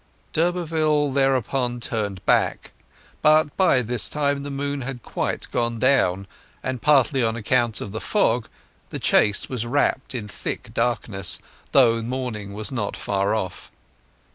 D'Urberville thereupon turned back; but by this time the moon had quite gone down, and partly on account of the fog The Chase was wrapped in thick darkness, although morning was not far off.